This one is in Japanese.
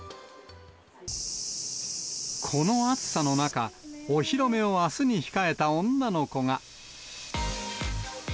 この暑さの中、お披露目をあすに控えた女の子が。